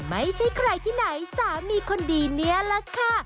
ไม่ใช่ใครที่ไหนสามีคนดีนี่แหละค่ะ